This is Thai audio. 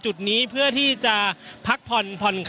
อย่างที่บอกไปว่าเรายังยึดในเรื่องของข้อ